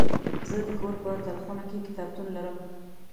زه د کور په تلخونه کې کتابتون لرم.